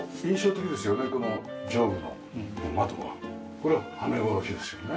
これはめ殺しですよね。